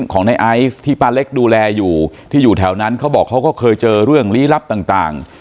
ของในไอซ์ที่ป้าเล็กดูแลอยู่ที่อยู่แถวนั้นเขาบอกเขาก็เคยเจอเรื่องลี้ลับต่าง